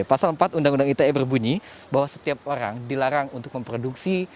pasal empat undang undang ite berbunyi bahwa setiap orang dilarang untuk memproduksi